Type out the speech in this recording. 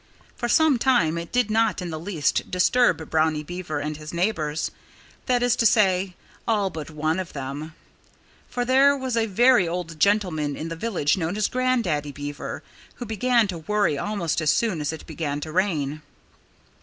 For some time it did not in the least disturb Brownie Beaver and his neighbors that is to say, all but one of them. For there was a very old gentleman in the village known as Grandaddy Beaver who began to worry almost as soon as it began to rain.